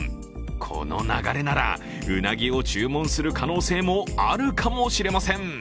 この流れなら、うなぎを注文する可能性もあるかもしれません。